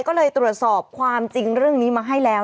ก็เลยตรวจสอบความจริงเรื่องนี้มาให้แล้ว